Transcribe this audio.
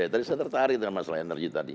tadi saya tertarik dengan masalah energi tadi